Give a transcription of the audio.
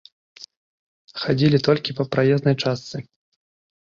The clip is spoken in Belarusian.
Хадзілі толькі па праезнай частцы.